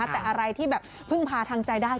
แต่อะไรที่แบบพึ่งพาทางใจได้